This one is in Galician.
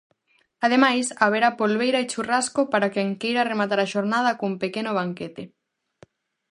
Ademais, haberá polbeira e churrasco para quen queira rematar a xornada cun pequeno banquete.